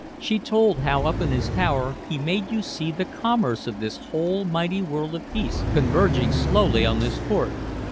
She told how up in his tower he made you see the commerce of this whole mighty world of peace converging slowly on this port.